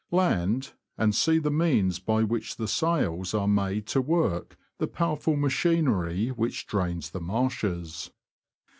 Land, and see the means by which the sails are made to work the powerful machinery which drains the marshes.